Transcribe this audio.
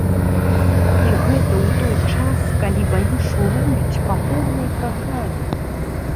І гэта ў той час, калі баі шуруюць па поўнай праграме!